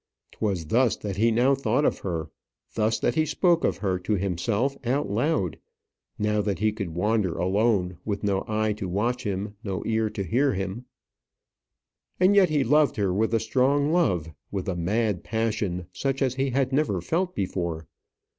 'Twas thus that he now thought of her, thus that he spoke of her to himself out loud, now that he could wander alone, with no eye to watch him, no ear to hear him. And yet he loved her with a strong love, with a mad passion such as he had never felt before.